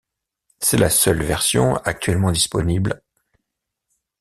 C'est la seule version actuellement disponible.